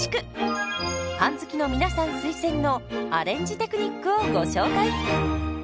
パン好きの皆さん推薦のアレンジテクニックをご紹介。